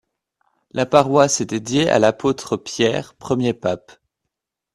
La paroisse est dédiée à l'apôtre Pierre, premier pape.